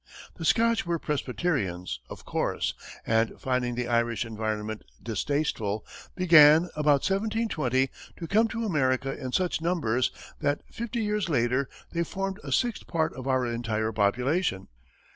The Scotch were Presbyterians, of course, and finding the Irish environment distasteful, began, about 1720, to come to America in such numbers that, fifty years later, they formed a sixth part of our entire population.